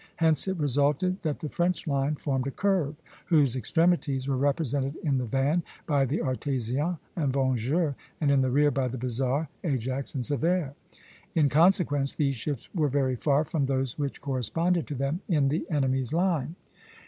Hence it resulted that the French line formed a curve (B), whose extremities were represented in the van by the 'Artésien' and 'Vengeur,' and in the rear by the 'Bizarre,' 'Ajax,' and 'Sévère.' In consequence, these ships were very far from those which corresponded to them in the enemy's line."